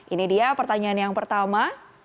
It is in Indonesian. ini dia pertanyaan yang pertama